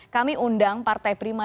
kami undang partai prima